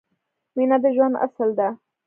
مینه د ژوند اصل ده